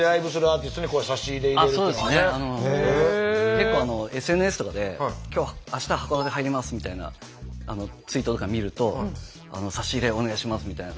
結構ＳＮＳとかで「明日函館入ります」みたいなツイートとか見ると「差し入れお願いします」みたいな。